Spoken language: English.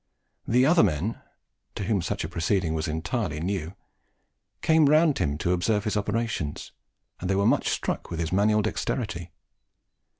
The other men, to whom such a proceeding was entirely new, came round him to observe his operations, and they were much struck with his manual dexterity.